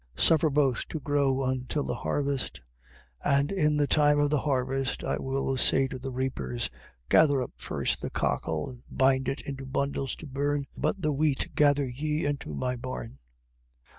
13:30. Suffer both to grow until the harvest, and in the time of the harvest I will say to the reapers: Gather up first the cockle, and bind it into bundles to burn, but the wheat gather ye into my barn.